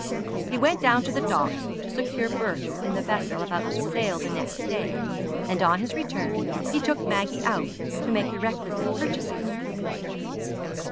He went down to the Docks to secure berths in the vessel about to sail the next day, and on his return he took Maggie out to make the requisite purchases.